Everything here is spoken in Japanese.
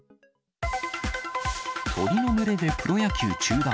鳥の群れでプロ野球中断。